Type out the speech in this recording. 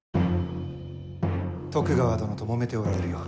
徳川殿ともめておられるようで。